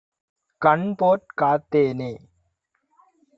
கண்போற் காத்தேனே...